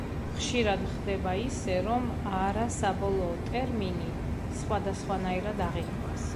ხშირად ხდება ისე რომ არა საბოლოო ტერმინი სხვადასხვანაირად აღიქვას.